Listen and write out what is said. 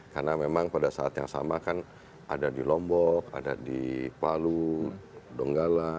karena memang pada saat yang sama kan ada di lombok ada di palu donggala